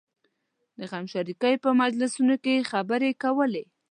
د غمشریکۍ په مجلسونو کې یې خبرې کولې.